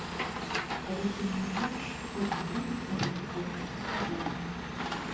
Але тым не менш, ход думак на гэты конт паказальны.